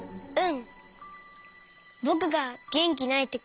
うん。